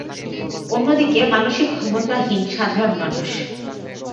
অন্যদিকে মানসিক ক্ষমতাহীন সাধারণ মানুষ।